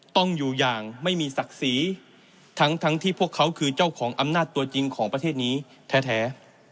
ต้องอยู่อย่างไม่มีศักดิ์ศรีทั้งที่พวกเขาคือเจ้าของอำนาจตัวจริงของประเทศนี้แท้